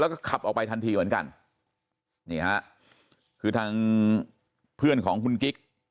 แล้วก็ขับออกไปทันทีเหมือนกันนี่ฮะคือทางเพื่อนของคุณกิ๊ก